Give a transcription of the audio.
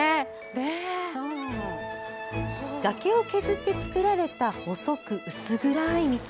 崖を削って作られた細く薄暗い道。